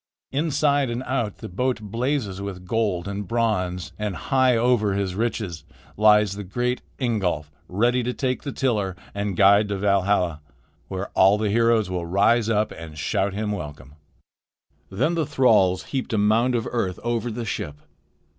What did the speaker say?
Inside and out the boat blazes with gold and bronze, and, high over his riches, lies the great Ingolf, ready to take the tiller and guide to Valhalla, where all the heroes will rise up and shout him welcome." Then the thralls heaped a mound of earth over the ship.